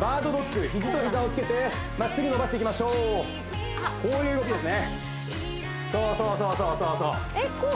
バードドッグヒジと膝をつけてまっすぐ伸ばしていきましょうこういう動きですねそうそうそうえっこう？